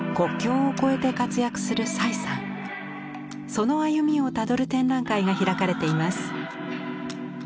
その歩みをたどる展覧会が開かれています。